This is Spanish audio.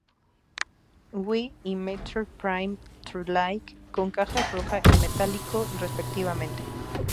Wii y Metroid Prime Trilogy con cajas roja y metálico respectivamente.